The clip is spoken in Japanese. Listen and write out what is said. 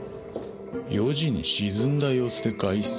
４時に沈んだ様子で外出？